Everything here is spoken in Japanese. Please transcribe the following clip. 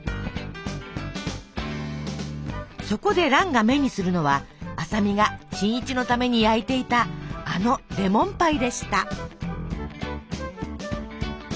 そこで蘭が目にするのは麻美が新一のために焼いていたあのレモンパイでした。